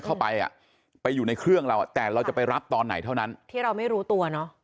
เข้าไปอ่ะไปอยู่ในเครื่องเราแต่เราจะไปรับตอนไหนเท่านั้นที่เราไม่รู้ตัวเนอะ